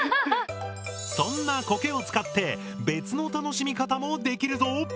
そんなコケを使って別の楽しみ方もできるぞ！